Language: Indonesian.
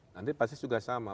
nanti pasti sudah sama